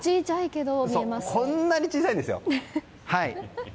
こんなに小さいんですよ。